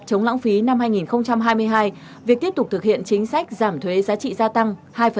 chống lãng phí năm hai nghìn hai mươi hai việc tiếp tục thực hiện chính sách giảm thuế giá trị gia tăng